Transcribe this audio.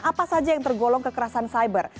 apa saja yang tergolong kekerasan cyber